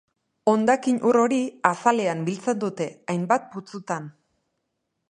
Hondakin-ur hori azalean biltzen dute, hainbat putzutan.